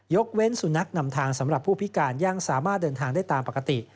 เว้นสุนัขนำทางสำหรับผู้พิการยังสามารถเดินทางได้ตามปกติ